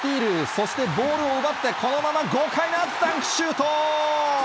そしてボールを奪ってこのまま豪快なダンクシュート！